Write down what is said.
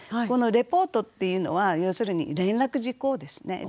このレポートっていうのは要するに連絡事項ですね。